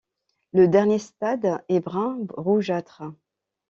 Le dernier stade est brun rougeâtre.